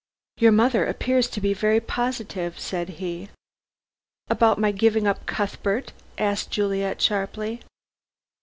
"Your mother appears to be very positive," said he. "About my giving up Cuthbert?" asked Juliet sharply.